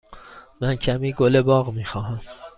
من کمی گل باغ می خواهم.